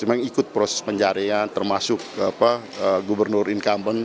yang ikut proses penjaringan termasuk gubernur incumbent